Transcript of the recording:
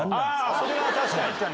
それは確かに。